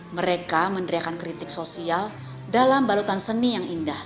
mereka meneriakan kritik sosial dalam balutan seni yang indah